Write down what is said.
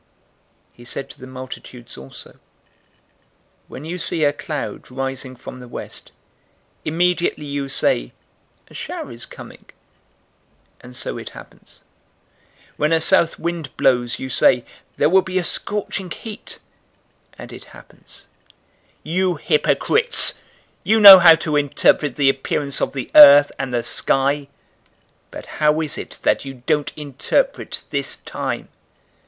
012:054 He said to the multitudes also, "When you see a cloud rising from the west, immediately you say, 'A shower is coming,' and so it happens. 012:055 When a south wind blows, you say, 'There will be a scorching heat,' and it happens. 012:056 You hypocrites! You know how to interpret the appearance of the earth and the sky, but how is it that you don't interpret this time?